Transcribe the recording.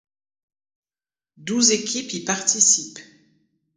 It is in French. Douze équipes y participent.